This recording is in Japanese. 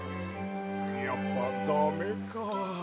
やっぱダメか。